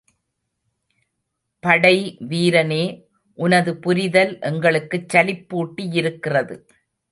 படைவீரனே, உனது புரிதல் எங்களுக்குச் சலிப்பூட்டியிருக்கிறது.